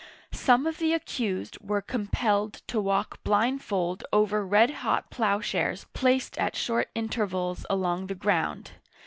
Some of the accused were compelled to walk blindfold over red hot plowshares placed at short intervals along the ground.